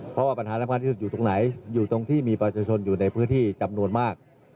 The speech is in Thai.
เพราะว่าปัญหาสำคัญที่สุดอยู่ตรงไหนอยู่ตรงที่มีประชาชนอยู่ในพื้นที่จำนวนมาก